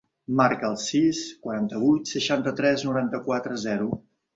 Marca el sis, quaranta-vuit, seixanta-tres, noranta-quatre, zero.